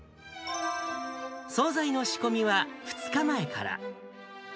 総菜の仕込みは２日前から。